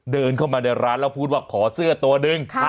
เดินเข้ามาในร้านแล้วพูดว่าขอเสื้อตัวหนึ่ง